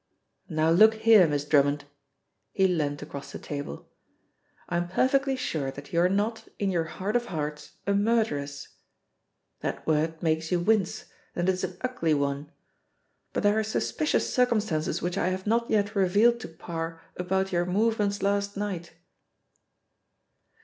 "Now look here, Miss Drummond," he leant across the table. "I am perfectly sure that you are not, in your heart of hearts, a murderess. That word makes you wince, and it is an ugly one. But there are suspicious circumstances which I have not yet revealed to Parr about your movements last night."